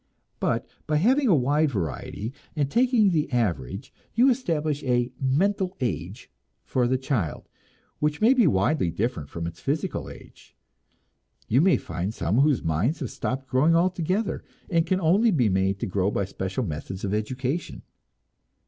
But by having a wide variety, and taking the average, you establish a "mental age" for the child which may be widely different from its physical age. You may find some whose minds have stopped growing altogether, and can only be made to grow by special methods of education.